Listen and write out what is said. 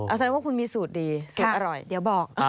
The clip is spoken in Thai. อาจารย์ว่าคุณมีสูตรดีเซ็ตอร่อยเดี๋ยวบอก